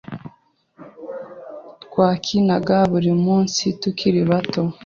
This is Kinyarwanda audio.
Twakinaga buri munsi tukiri bato.